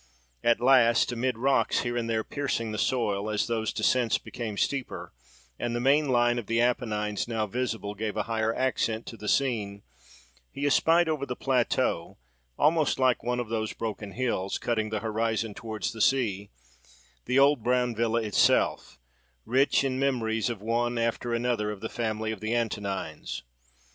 At last, amid rocks here and there piercing the soil, as those descents became steeper, and the main line of the Apennines, now visible, gave a higher accent to the scene, he espied over the plateau, almost like one of those broken hills, cutting the horizon towards the sea, the old brown villa itself, rich in memories of one after another of the family of the Antonines.